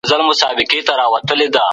د هرات صنعت کي د پرمختګ فرصتونه څه دي؟